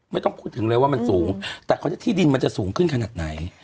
ไม่ต้องพูดถึงเลยว่ามันสูงแต่เขาจะที่ดินมันจะสูงขึ้นขนาดไหน